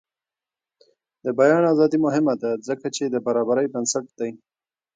د بیان ازادي مهمه ده ځکه چې د برابرۍ بنسټ دی.